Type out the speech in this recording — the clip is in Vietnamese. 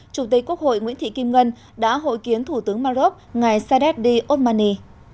chủ tịch quốc hội nguyễn thị kim ngân đã hội kiến thủ tướng mà rốc ngày saadet di othmani